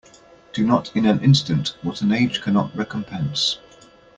Do not in an instant what an age cannot recompense.